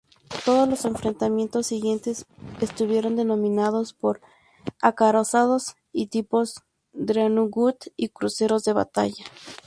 Todos los enfrentamientos siguientes estuvieron dominados por acorazados tipo dreadnought y cruceros de batalla.